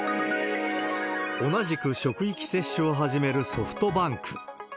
同じく職域接種を始めるソフトバンク。